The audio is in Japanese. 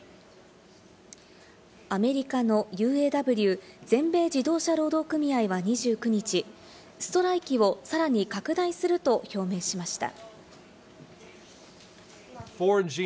アメリカのＵＡＷ＝全米自動車労働組合は２９日、ストライキをさらに拡大すると表明しました。